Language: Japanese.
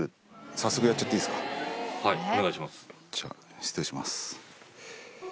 じゃあ失礼します。